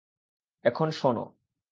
এখন, শোনো।